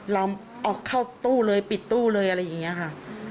อมออกเข้าตู้เลยปิดตู้เลยอะไรอย่างนี้ค่ะ